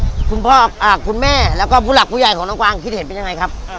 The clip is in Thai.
คุณพ่อคุณแม่แล้วก็ผู้หลักผู้ใหญ่ของน้องกวางคิดเห็นเป็นยังไงครับ